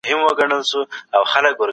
که بهرنی سياست کمزوری وي هيواد منزوي کېږي.